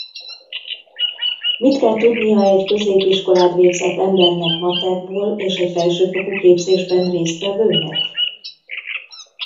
Mit kell tudnia egy középiskolát végzett embernek matekból és egy felsőfokú képzésben résztvevőnek?